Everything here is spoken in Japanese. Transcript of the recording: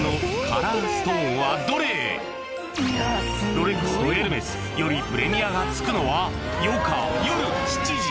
［ロレックスとエルメスよりプレミアがつくのは？］